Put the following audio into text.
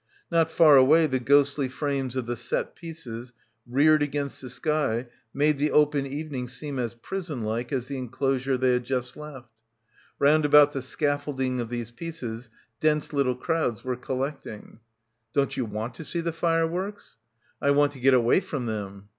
Not far away the ghostly frames of the set pieces reared against the sky made the open evening seem as prison like as the enclosure they had just left. Round about the scaffolding of these pieces dense little crowds were collecting. — 255 — PILGRIMAGE " Don't you want to see the fireworks?" "I want to get away from them."